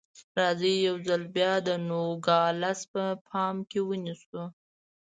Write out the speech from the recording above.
راځئ یو ځل بیا نوګالس په پام کې ونیسو.